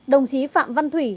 đồng chí phạm văn thủy